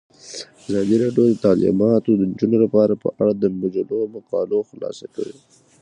ازادي راډیو د تعلیمات د نجونو لپاره په اړه د مجلو مقالو خلاصه کړې.